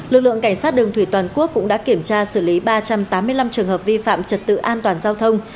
lực lượng cảnh sát đường thủy toàn quốc cũng đã kiểm tra xử lý ba trăm tám mươi năm trường hợp vi phạm trật tự an toàn giao thông